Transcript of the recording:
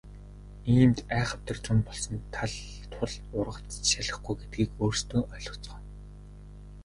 Иймд айхавтар зун болсон тул ургац ч шалихгүй гэдгийг өөрсдөө ойлгоцгоо.